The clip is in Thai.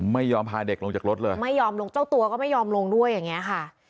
ไม่ยอมพาเด็กลงจากรถเลยไม่ยอมลงเจ้าตัวก็ไม่ยอมลงด้วยอย่างเงี้ยค่ะ